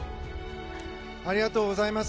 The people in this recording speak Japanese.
ありがとうございます。